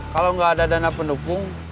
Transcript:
kalau nggak ada dana pendukung